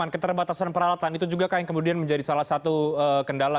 keterbatasan peralatan itu juga kan yang kemudian menjadi salah satu kendala